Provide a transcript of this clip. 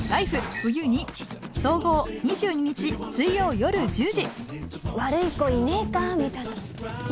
冬．２」２２日水曜夜１０時。